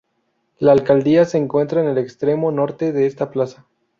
La Alcaldía se encuentra en el extremo norte de esta plaza.